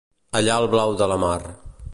Allà al blau de la mar.